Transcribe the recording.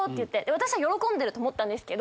私は喜んでると思ったんです。